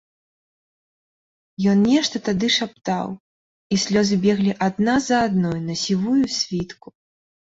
Ён нешта тады шаптаў, і слёзы беглі адна за адной на сівую світку.